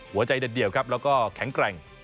หัวใจเดี๋ยวแล้วก็แข็งแกร่ง